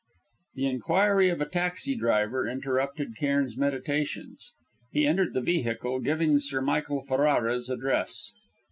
The inquiry of a taxi driver interrupted Cairn's meditations. He entered the vehicle, giving Sir Michael Ferrara's address.